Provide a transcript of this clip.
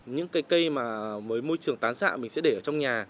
những cây cây mới môi trường tán xạ mình sẽ để ở trong nhà